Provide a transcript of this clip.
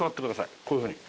こういうふうに。